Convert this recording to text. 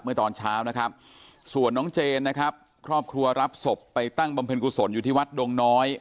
เมื่อตอนเช้านะครับส่วนน้องเจนนะครับครอบครัวรับศพไปตั้งบำเพ็ญกุศลอยู่ที่วัดดงน้อย